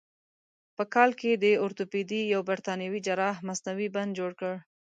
په کال کې د اورتوپیدي یو برتانوي جراح مصنوعي بند جوړ کړ.